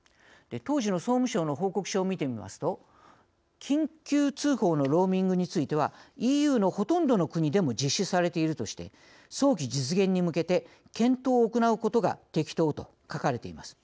当時の総務省の報告書を見てみますと緊急通報のローミングについてはＥＵのほとんどの国でも実施されているとして早期実現に向け検討を行うことが適当と書かれています。